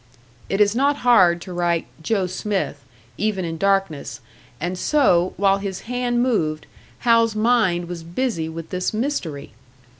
It is not hard to write "Joe Smith," even in darkness, and so, while his hand moved, Hal's mind was busy with this mystery.